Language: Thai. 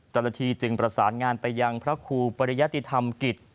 จรฐีจึงประสานงานไปยังพระครูปริยติธรรมกิจ